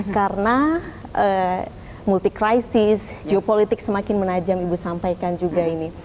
karena multi krisis geopolitik semakin menajam ibu sampaikan juga ini